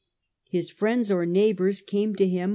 His friends or neighbours come to him for cH.